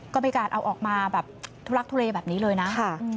ก็มีการเอาออกมาแบบทุลักทุเลแบบนี้เลยนะ